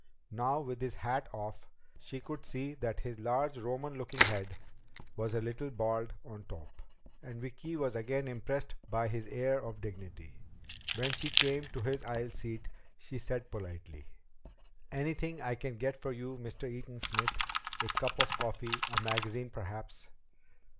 Now, with his hat off, she could see that his large Roman looking head was a little bald on top. And Vicki was again impressed by his air of dignity. When she came to his aisle seat, she said politely: "Anything I can get for you, Mr. Eaton Smith? A cup of coffee? A magazine perhaps?"